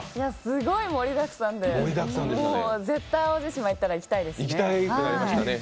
すごい盛りだくさんで、絶対淡路島行ったら行きたいですね。